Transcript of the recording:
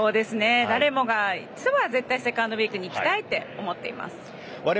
誰もが一度は絶対セカンドウイークに行きたいって思っています。